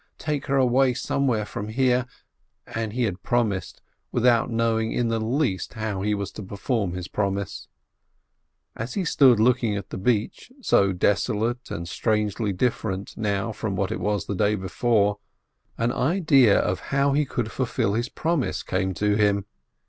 Take her away somewhere from there, and he had promised, without knowing in the least how he was to perform his promise. As he stood looking at the beach, so desolate and strangely different now from what it was the day before, an idea of how he could fulfil his promise came to him.